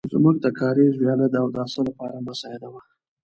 زموږ د کاریز وياله د اوداسه لپاره مساعده وه.